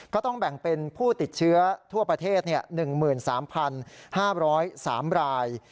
ก็ต้องแบ่งเป็นผู้ติดเชื้อทั่วประเทศ๑๓๕๐๓ราย